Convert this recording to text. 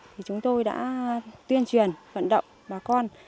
thì chúng tôi đã tuyên truyền vận động bà con